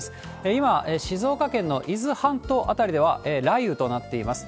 今、静岡県の伊豆半島辺りでは雷雨となっています。